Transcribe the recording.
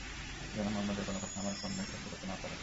যেন মুহাম্মদের কোন কথা আমার কর্ণ স্পর্শ করতে না পারে।